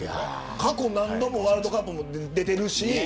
過去に何度もワールドカップに出ているし